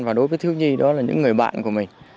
và đối với thiếu nhi đó là những người bạn của mình